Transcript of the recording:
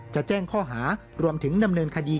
จะแจ้งข้อหารวมถึงดำเนินคดี